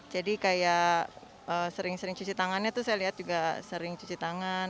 jadi kayak sering sering cuci tangannya tuh saya lihat juga sering cuci tangan